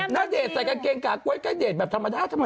น่าเดทใส่กางเกงกาก้วยก็เดทแบบธรรมดา